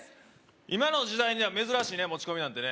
今の時代には珍しいね、持ち込みなんてね。